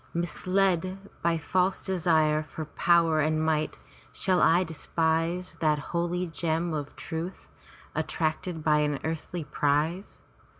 Misled by false desire for power and might, shall I despise that holy gem of truth, attracted by an earthly prize?